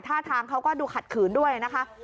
ท่าทางเขาก็ดูขัดขืนด้วยนะคะ